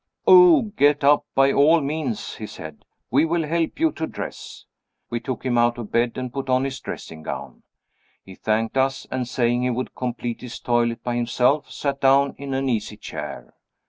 "Oh, get up by all means," he said; "we will help you to dress." We took him out of bed and put on his dressing gown. He thanked us; and saying he would complete his toilet by himself, sat down in an easy chair.